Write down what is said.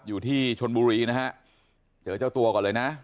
อยู่ที่ชนบุรีนะฮะเจอเจ้าตัวก่อนเลยนะ